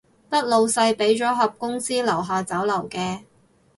得老細畀咗盒公司樓下酒樓嘅